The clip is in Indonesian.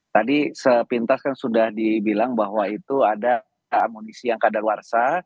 tadi sepintas kan sudah dibilang bahwa itu ada amunisi yang kadaluarsa